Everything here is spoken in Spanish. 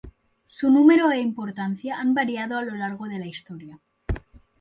Su número e importancia han variado a lo largo de la historia.